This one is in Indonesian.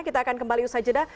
kita akan kembali usai jeda